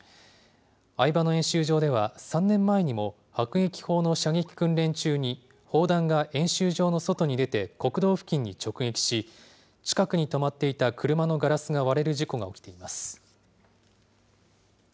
饗庭野演習場では、３年前にも迫撃砲の射撃訓練中に、砲弾が演習場の外に出て、国道付近に直撃し、近くに止まっていた車のガラスが割れる事故が起きています。